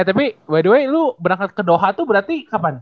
eh tapi by the way lo berangkat ke doha tuh berarti kapan